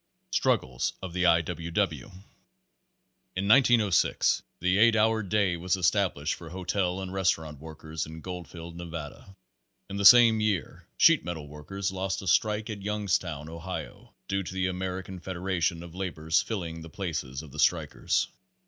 Struggles of the I. W. W. In 1906 the eight hour day was established for hotel and restaurant workers in Gbldfield, Nevada. In the same year sheet metal workers lost a strike at Youngstown, Ohio, due to the American Federation of Labor's filling the places of the strikers.